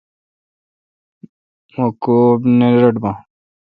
مہ کوب نہ رٹ باں۔